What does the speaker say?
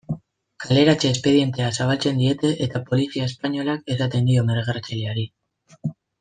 Kaleratze espedientea zabaltzen diete eta polizia espainolak esaten dio migratzaileari.